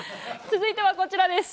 続いてはこちらです。